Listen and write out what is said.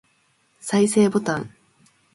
再生ボタン